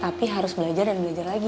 tapi harus belajar dan belajar lagi